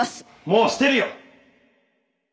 もうしてるよ！